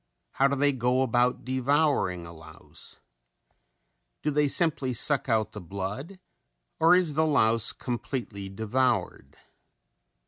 How do they go about devouring a louse? Do they simply suck out the blood, or is the louse completely devoured?